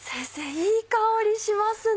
いい香りしますね。